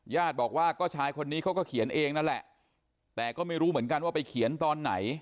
ญาติบอกว่าก็ชายคนนี้เขาก็เขียนเองนั่นแหละแต่ก็ไม่รู้เหมือนกันว่าไปเขียนตอนไหน